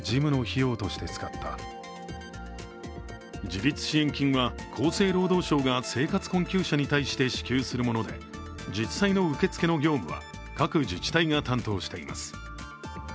自立支援金は厚生労働省が生活困窮者に対して支給するもので、実際の受付の業務は各自治体が担当しています。